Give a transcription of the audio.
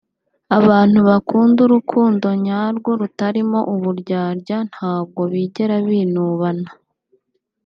Abantu bakunda urukundo nyarwo rutarimo uburyarya ntabwo bigera binubana